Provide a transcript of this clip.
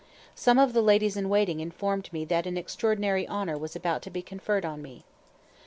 Some of the ladies in waiting informed me that an extraordinary honor was about to be conferred on me.